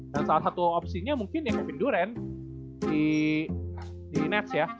dan salah satu opsinya mungkin ya kevin durant di nets ya